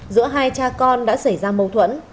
giữa hai cha con đã xảy ra mâu thuẫn